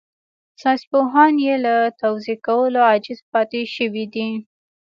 ساينسپوهان يې له توضيح کولو عاجز پاتې شوي دي.